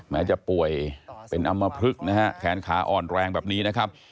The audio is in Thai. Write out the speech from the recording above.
แม้จะป่วยเป็นอำมพลึกนะฮะแขนขาอ่อนแรงแบบนี้นะครับ